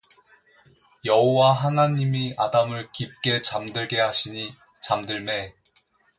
여호와 하나님이 아담을 깊이 잠들게 하시니 잠들매